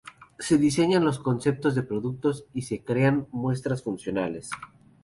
Se diseñan los conceptos de los productos y se crean muestras funcionales.